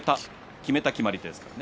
きめた決まり手ですからね。